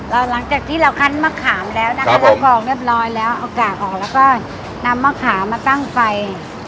เราหลังจากที่เราคัดมะขามแล้วนะคะครับผมแล้วเอากากออกแล้วก็นำมะขามมาตั้งไฟ